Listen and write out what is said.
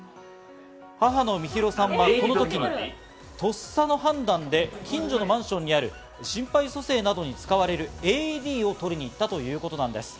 母の美弘さんは、この時にとっさの判断で近所のマンションにある心肺蘇生などに使われるＡＥＤを取りに行ったということです。